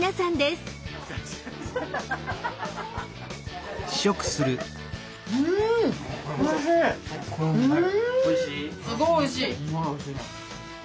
すごいおいしい。